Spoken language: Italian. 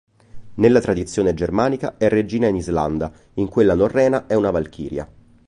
Nella tradizione germanica è regina in Islanda, in quella norrena è una Valchiria.